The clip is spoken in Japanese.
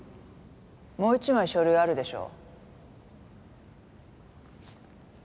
もう１枚書類あるでしょ。